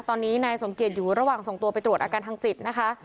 ตอนนี้นายสมเกียจอยู่ระหว่างส่งตัวไปตรวจอาการทางจิตนะคะ